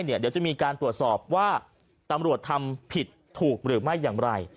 เดี๋ยวจะมีการตรวจสอบว่าตำรวจทำผิดถูกหรือไม่อย่างไร